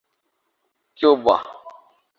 Cuba